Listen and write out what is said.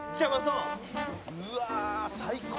「うわあ最高！」